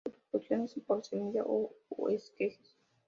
Su reproducción es por semilla o esquejes.